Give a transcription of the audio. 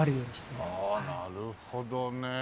ああなるほどね。